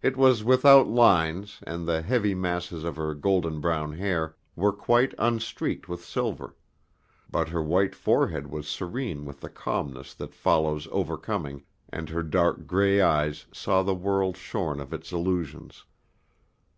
It was without lines, and the heavy masses of her golden brown hair were quite unstreaked with silver; but her white forehead was serene with the calmness that follows overcoming, and her dark gray eyes saw the world shorn of its illusions.